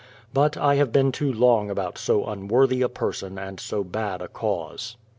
But I have been too long about so unworthy a person and so bad a cause.